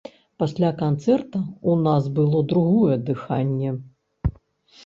Пасля канцэрта ў нас было другое дыханне.